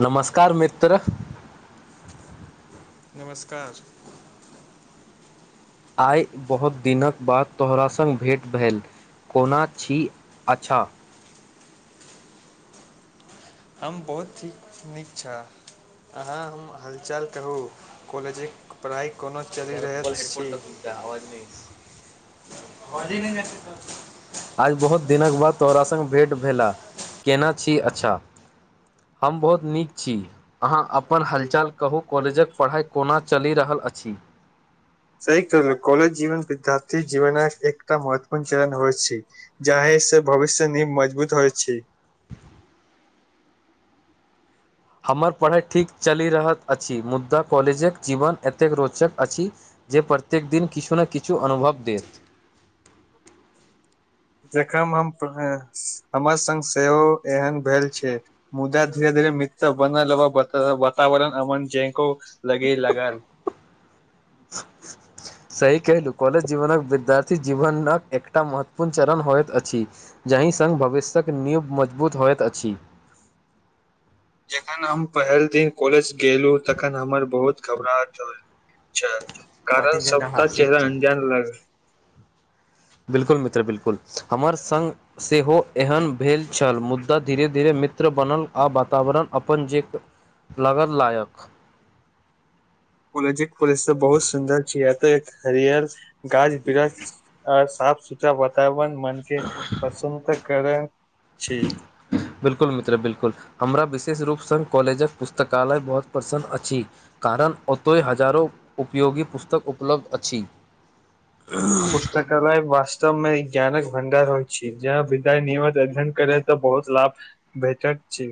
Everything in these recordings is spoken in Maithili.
नमस्कार मित्र! नमस्कार! आइ बहुत दिनक बाद तोहरा सङ्ग भेँट भेल। कोना छी, अच्छा? हम बहुत ही नीक छऽ अहाँ हम हाल-चाल कहू, कॉलेजक पढ़ाइ कोना- [unintelligible] [unintelligible] चलि [unintelligible] रहल छी आज बहुत दिनक बाद तोरा सङ्ग भेँट भेलए, केना छी? अच्छा- हम बहुत नीक छी। अहाँ अपन हालचाल कहू, कॉलेजक पढ़ाइ कोना चलि रहल अछि? सही कहलहुँ, कॉलेज जीवन- विद्यार्थी जीवन एकटा महत्वपूर्ण चलन होइ छै। जाहे से भविष्य नींव मजबूत होइ छै। हमर पढ़ाइ ठीक चलि रहल अछि मुदा कॉलेजक जीवन एतेक रोचक अछि- जे प्रत्येक दिन किछु ने किछु अनुभव देत। जखन हम हमर संग सेहो एहन भेल छै मुदा धीर-धीरे मित्र बन [unintelligible] वातावरण अमन जेको लगे लगल [unintelligible] सही कहलहुँ, कॉलेज जीवनक विद्यार्थी जीवनक एकटा महत्वपूर्ण चरण होइत अछि। जाहि संग भविष्यक नींव मजबूत होइत अछि। जखन हम पहिल दिन कॉलेज गेलु तखन हमर बहुत घबराहट रहए कारण सबटा चेहरा अंजान लागए बिल्कुल मित्र बिल्कुल, हमर संग सेहो एहन भेल छल मुदा धीरे-धीरे मित्र बनल आ वातावरण अपन जे- लगल लायक। कॉलेज पैलस तॅं बहुत सुन्दर छै एतय [unintelligible] [unintelligible] आ साफ सुथरा वातावरण मनके प्रसन्नता करऽ छी बिल्कुल मित्र बिल्कुल हमरा विशेष रूपसँ कॉलेजक पुस्तकालय बहुत पसन्द अछि। कारण ओतय हजारो उपयोगी पुस्तक उपलब्ध अछि। पुस्तक -कालय वास्तवमे ज्ञानक भंडार होइत अछि जहाॅं विद्यार्थी नियमित अध्ययन करए तॅं बहुत लाभ- भेटैत छै।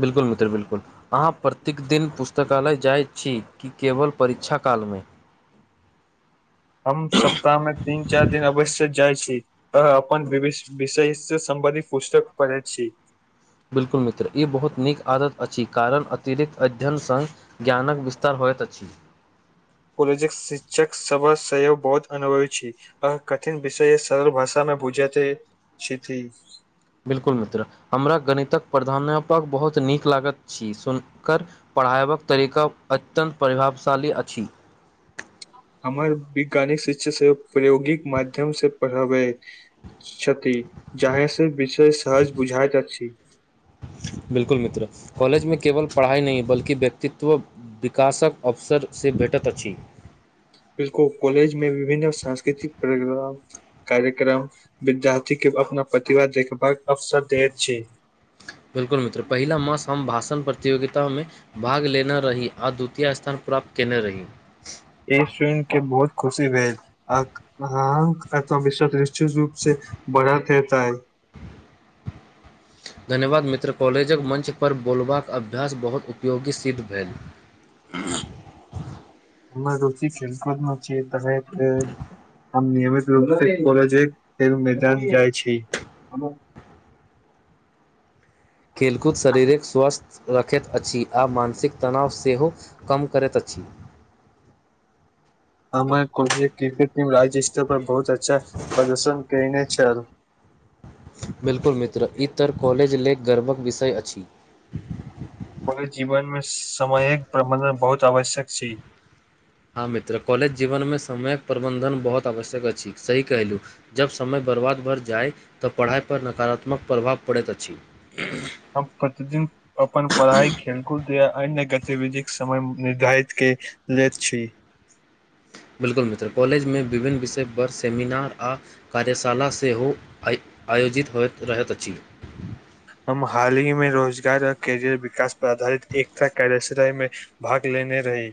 बिल्कल मित्र बिल्कुल। अहाँ प्रत्येक दिन पुस्तकालय जाइत छी की केवल परीक्षा कालमे? हम सप्ताहमे तीन-चारि दिन अवश्य जाइत छी। तॅं अपन विषयसँ संबंधित पुस्तक पढ़ै छी। बिल्कुल मित्र ई बहुत नीक आदत अछि कारण अतिरिक्त अध्ययनसँ ज्ञानक विस्तार होइत अछि। काॅलेजक शिक्षक सभ सेहो बहुत अनुभवी छै। आ कठिन विषय सरल भाषामे बुझा दैत छथि। बिल्कुल मित्र, हमरा गणितक प्रधानाध्यापक बहुत नीक लागत अछि हुनकर- पढ़ायबाक तरीका अत्यन्त प्रभावशाली अछि। हमर वैज्ञानिक शिक्षा सेहो प्रायोगिक माध्यम से पढ़बै छथि जाहि सँ विसेस सहज बुझाइत अछि बिलकुल मित्र कॉलेज मे केवल पढ़ाई नहि बल्कि व्यक्तित्व विकासक अवसर से भेटैत अछि बिलकु कॉलेज मे विभिन्न सांस्कृतिक प्रोग्राम कार्यक्रम विद्यार्थी केँ अपना प्रतिभा देखबाक अवसर देैत छै बिल्कुल मित्र पहिला मास हम भाषण प्रतियोगितामे भाग लेने रही आ द्वितीय स्थान प्राप्त कयने रही ई सुझन केँ बहुत खुशी भेल आ हँ अथवश्व निश्चित रूप से बढ़त हेतै [inaudible] धन्यवाद मित्र कॉलेजक मंचपर बोलबाक अभ्यास बहुत उपयोगी सिद्ध भेल हमम रोचि खेल कूदमे छियै रहैत होइ हम नियमित रूप से कॉलेजेक खेल मैदान जाइ छी। खेलकूद शरीरक स्वास्थ रखैत अछि आ मानसिक तनाव सेहो कम करैत अछि हमर कोइ भि क्रिकेट टीम राज्य स्तर पर बहुत अच्छा प्रदर्शन कयने छल बिल्कुल मित्र ई तऽ कॉलेज लेल गर्वक विषय अछि ओेय जीवन मे समयक प्रबंधन बहुत आवश्यक छी हँ मित्र कॉलेज जीवनमे समयक प्रबन्धन बहुत आवश्यक अछि सही कहलहुँ जब समय बर्बाद बढ़ जाय तऽ पढ़ाई पर नकारात्मक प्रभाव पड़ैत अछि आब कते दिन अपन पढ़ाई खेलकूद या अन्य गतिविधिक समय निर्धारित कैय लैत छी बिल्कुल मित्र कॉलेजमे विभिन्न विषयपर सेमिनार आ कार्यशाला सेहो आय आयोजित होइत रहैत अछि हम हालहि मे रोजगार आओर कैरियर विकास पर आधारित एकटा कार्यशराय मे भाग लेने रही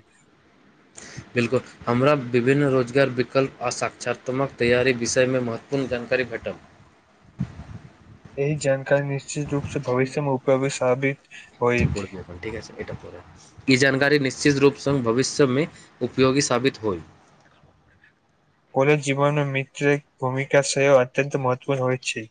बिल्कुल हमरा विभिन्न रोजगार विकल्प आ साक्षात्मक तैयारी विषयमे महत्वपूर्ण जानकारी भेटल एहि जानकारी निश्चित रूप सँ भविष्य मे उपयोगी साबित [inaudible] होइ ई जानकारी निश्चित रूपसँ भविष्यमे उपयोगी साबित होइ कॉलेज जीवनो मे मित्रक भूमिका सेहो अत्यंत महत्वपूर्ण होइत छै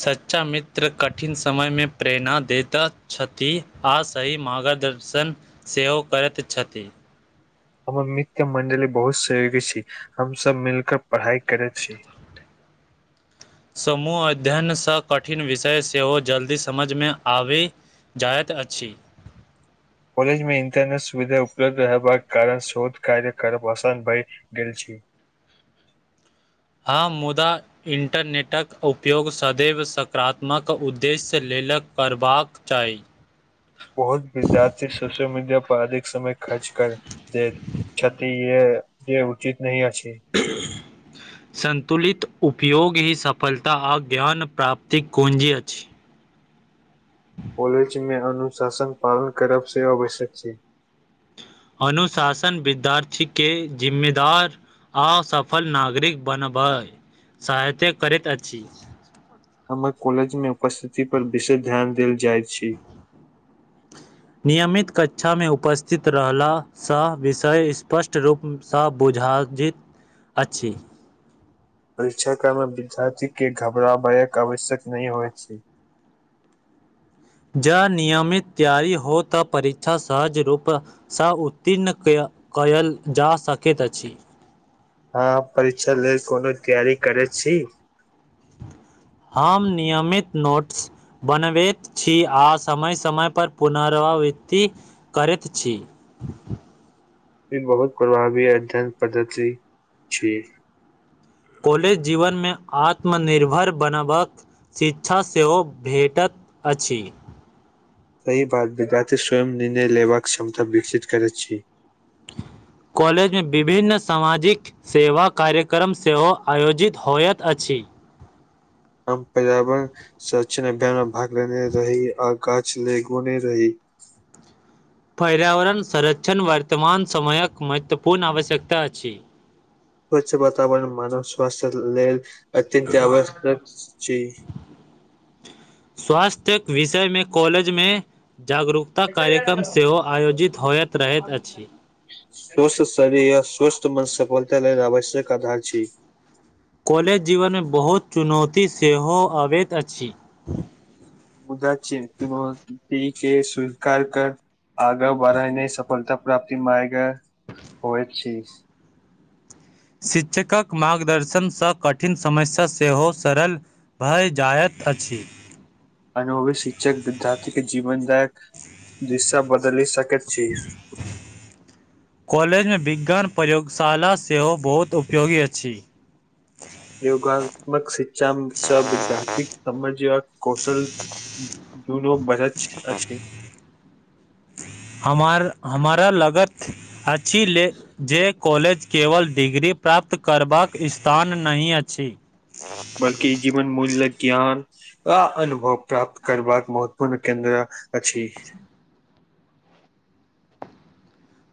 सच्चा मित्र कठिन समयमे प्रेरणा दैत छथि आ सही मार्गद सन सेहो करैत छथि हमर मित्र मंडली बहुत सहयोगी छी हम सब मिलक पढ़ाई करे छी समूह अध्ययनसँ कठिन विषय सेहो जल्दी समझमे आबी जायत अछि कॉलज मे इंटरनेट सुविधा उपलब्ध रहबाक कारण शोध कार्य करब असान भैय गेल छी हँ मुदा इन्टरनेटक उपयोग सदैव सकारात्मक उद्देश्य लेलक करबाक चाही बहुत विद्यार्थी सोशल मीडिया पर अधिक समय खर्च कर दै छथि ये जे उचित नही अछि [inaudible] सन्तुलित उपयोग ही सफलता आ ज्ञान प्राप्तिक कूञजी अछि। कॉलेज मे अनुशासन पालन करब से आवश्यक छै। अनुशासन विद्यार्थी के जिम्मेदार। हँ आ सफल नागरिक बनबै सहायते करैत अछि। हमर कॉलेज मे उपस्थिति पर विशेष ध्यान देल जाइत छी नियमित कक्षामे उपस्थित रहलासँ विषय स्पष्ट रूप सँ बुझाइजित अछि परीक्षा क्रम मे विद्यार्थी के घबराबयक आवश्यक नहि होइत ज नियमित तैयार हो तऽ परीक्षा सहज रूप। सँ उत्तीर्ण कय कयल जा सकैत अछि। अहाँ परीक्षा लेल कोनो तैयारी करे छी। हम नियमित नोट्स। बनबैत छी आ समय समयपर पुनरावृत्ति करैत छी। ई बहुत प्रभावी अध्ययन पद्धति छी कॉलेज जीवन मे आत्मनिर्भर बनाबक शिक्षा सेहो भेटत अछि सही बात विद्यार्थी स्वयं निर्णय लेबाक क्षमता विकसित करैत छी कॉलेज मे विभिन्न सामाजिक सेवा कार्यक्रम सेहो आयोजित होइत अछि हम पर्यावरण संरक्षण अभियान मे भाग लेने रही आ गाछ लेगोने रही पर्यावरण संरक्षण वर्तमान समयक महत्वपूर्ण आवश्यकता अछि स्वच्छ वातावरण मानव स्वास्थ्य लेल अत्यंत आवश्यक छी स्वास्थ्य विषयमे कॉलेजमे जागरूक ता कार्यक्रम सेहो आयोजित होयत रहैत अछि स्वस्थ शरीर आ स्वस्थ मन सफलता लेल आवश्यक आधार छी कॉलेज जीवनमे बहुत चुनौती सेहो अबैत अछि मुदा चीर चुनौती के स्वीकार कर आगाँ बढ़इ ने सफलता प्राप्ति मे आगाँ होइत छी शिक्षकक मार्गदर्शनसँ कठिन समस्या सेहो सरल भए जायत अछि। अनुभवी शिक्षक विद्यार्थी के जीवनदायक दिशा बदलि सकैत छी [inaudible] कॉलेजमे विज्ञान प्रयोगशाला सेहो बहुत उपयोगी अछि योगात्मक शिक्षा सँ विद्यार्थिक समझ आ कौशल दुनू बढ़त अछी हमार हमारा लागत अछी ले जे कॉलेज केवल डिग्री प्राप्त करबाक स्थान नहि अछि बल्कि जीवन मूल्यक ज्ञान आ अनुभव प्राप्त करबाक महत्वूर्ण केन्द्र अछि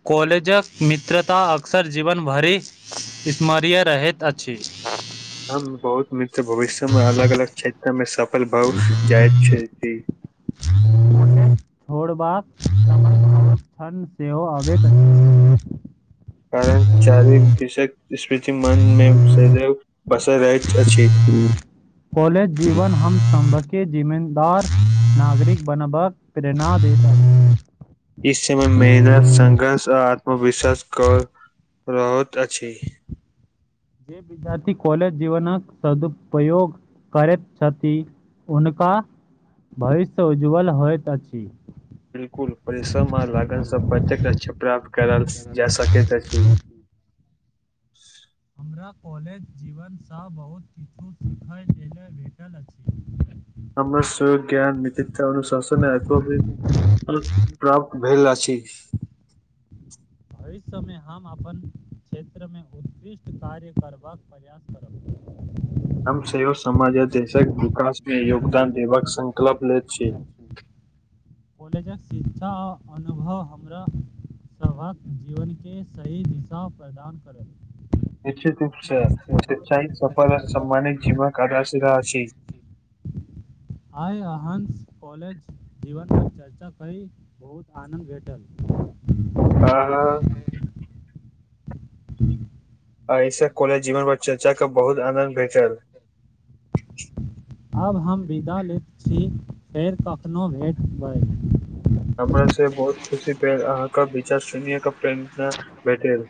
कॉलेजक मित्रता अक्सर जीवन भरि स्मरणीय रहैत अछि हम बहुत मित्र भविष्य मे अलग अलग क्षेत्र मे सफल भऽ जाइत छथि। छोड़बाक क्षण सेहो अबैत अछि। कारण चारिम विषयक स्मृति मन मे सदेव बसल रहैत अछि कॉलेज जीवन हम सभके जिम्मेदार नागरिक बनबाक प्रेरणा देत अछी ई समय मेहनत संघर्ष आ आत्मविश्वास कर रहत अछि जे विद्यार्थी कॉलज जीवनक सदुपयोग करैत छथि हुनका भविष्य उज्ज्वल होइत अछि बिल्कुल परिश्रम आ लागनसँ प्रत्येक लक्ष्य प्राप्त करायल जा सकैत अछि हमरा कॉलेज जीवनसँ बहुत किछु सीखय लेल भेटल अछि हमरा सभक ज्ञान नेतृत्व अनुशासन प्राप्त भेल अछि भविष्यमे हम अपन क्षेत्र मे उत्कृष्ट कार्य करबाक प्रयास करब हमम सेयो समाजे देशक विकास मे योगदान देबाक संकल्प लेत छी कॉलेजक शिक्षा आ अनुभव हमरा सभक जीवनके सही दिशा प्रदान करब निश्चित उ्च सफल सम्मानित जीवक आधशी रह अछि आइ अहाँ सँ कॉलेज जीवन के चर्चा करी बहुत आनन्द भेटल आहाँ एहिसे कॉलेज जीवन पर चर्चा को केँ बहुत आनद भेटल आब हम विदा लैत छी फेर कखनोहु भेटबै हमरा से बहुत खुशी भेल अहाँके विचार शेनिय क प्रेम भेटल